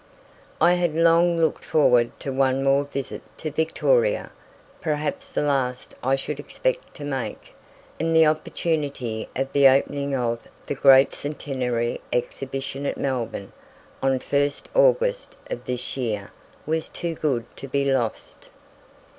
I had long looked forward to one more visit to Victoria, perhaps the last I should expect to make, and the opportunity of the opening of the great Centenary Exhibition at Melbourne on 1st August of this year was too good to be lost.